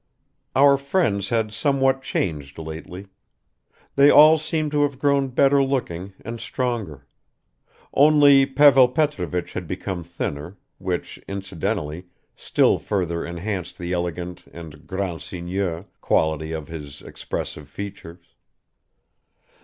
Our friends had somewhat changed lately; they all seemed to have grown better looking and stronger; only Pavel Petrovich had become thinner, which, incidentally, still further enhanced the elegant and "grand seigneur" quality of his expressive features